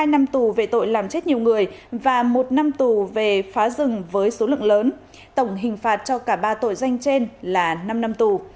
một mươi năm tù về tội làm chết nhiều người và một năm tù về phá rừng với số lượng lớn tổng hình phạt cho cả ba tội danh trên là năm năm tù